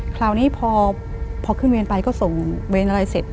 คราวนี้พอขึ้นเวรไปก็ส่งเวรอะไรเสร็จ